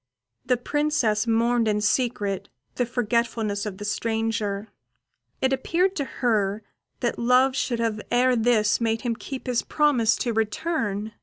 The Princess mourned in secret the forgetfulness of the stranger: it appeared to her that love should have ere this made him keep his promise to return.